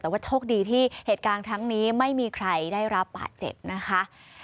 แต่ว่าโชคดีที่เหตุการณ์ทั้งนี้ไม่มีใครได้รับบาดเจ็บนะคะ